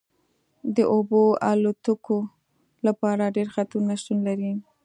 د اوبو الوتکو لپاره ډیر خطرونه شتون لري